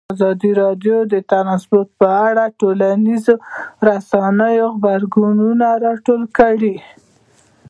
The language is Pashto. ازادي راډیو د ترانسپورټ په اړه د ټولنیزو رسنیو غبرګونونه راټول کړي.